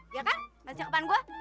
iya kan masih dakepan gua